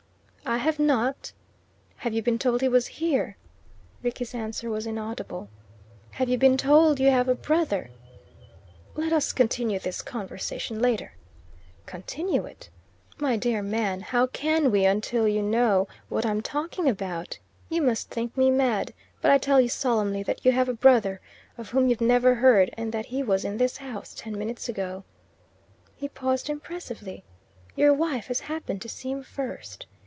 "I have not." "Have you been told he was here?" Rickie's answer was inaudible. "Have you been told you have a brother?" "Let us continue this conversation later." "Continue it? My dear man, how can we until you know what I'm talking about? You must think me mad; but I tell you solemnly that you have a brother of whom you've never heard, and that he was in this house ten minutes ago." He paused impressively. "Your wife has happened to see him first.